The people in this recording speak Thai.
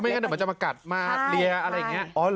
เพราะไม่งั้นมันจะมากัดมาดเลี้ยอะไรอย่างเงี้ย